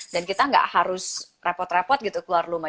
dan kita tidak harus repot repot gitu keluar rumah